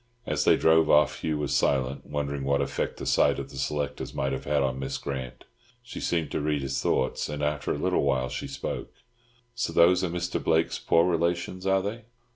As they drove off Hugh was silent, wondering what effect the sight of the selectors might have had on Miss Grant. She seemed to read his thoughts, and after a little while she spoke. "So those are Mr. Blake's poor relations, are they?